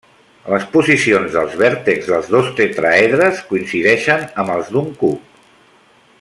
Les posicions dels vèrtexs dels dos tetràedres coincideixen amb els d'un cub.